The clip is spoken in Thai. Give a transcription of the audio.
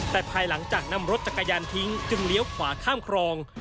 แต่ภายหลังจากนำรถจักรยานทิ้งจึงเลี้ยวขวาข้ามครอง